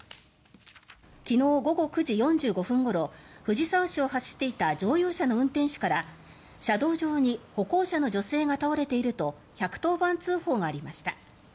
昨日午後９時４５分ごろ藤沢市を走っていた乗用車の運転手から、車道上に歩行者の女性が倒れていると１１０番通報がありました。